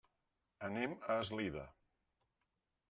Anem a Eslida.